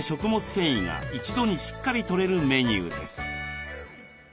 繊維が一度にしっかりとれるメニューです。